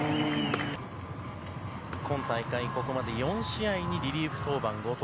今大会、ここまで４試合にリリーフ登板、後藤。